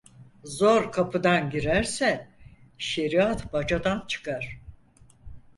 Zor kapıdan girerse, şeriat bacadan çıkar.